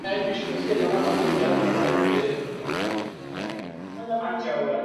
Malengo kumi na saba endelevu yalianzishwa baada ya kumalizika malengo nane ya milenia